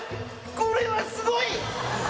これはすごい！